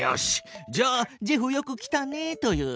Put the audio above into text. じゃあ「ジェフよく来たね」と言う。